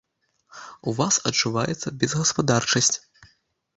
У вас адчуваецца безгаспадарчасць.